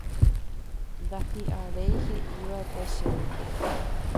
Ndahi'aréi he'iva'ekue chéve.